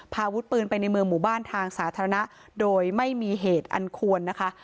อาวุธปืนไปในเมืองหมู่บ้านทางสาธารณะโดยไม่มีเหตุอันควรนะคะ